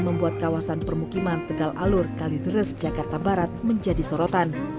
membuat kawasan permukiman tegal alur kalideres jakarta barat menjadi sorotan